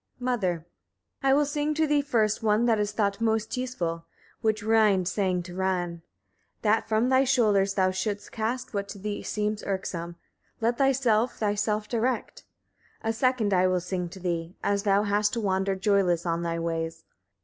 Mother. 6. I will sing to thee first one that is thought most useful, which Rind sang to Ran; that from thy shoulders thou shouldst cast what to thee seems irksome: let thyself thyself direct. 7. A second I will sing to thee, as thou hast to wander joyless on thy ways.